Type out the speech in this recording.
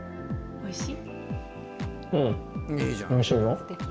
おいしい？